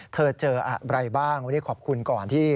เจออะไรบ้างวันนี้ขอบคุณก่อนที่